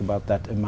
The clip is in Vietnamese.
quốc gia việt nam